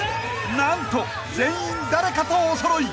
［何と全員誰かとおそろい。